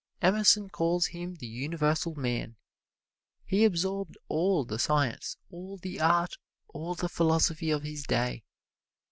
Emerson calls him the universal man. He absorbed all the science, all the art, all the philosophy of his day.